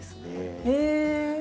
へえ！